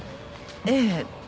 ええ。